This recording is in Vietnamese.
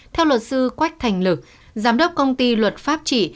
theo luật sư quách thành lực giám đốc công ty luật pháp trị